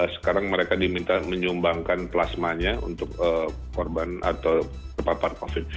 sekarang mereka diminta menyumbangkan plasmanya untuk korban atau terpapar covid